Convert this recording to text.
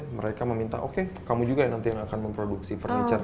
mereka meminta oke kamu juga yang nanti yang akan memproduksi furniture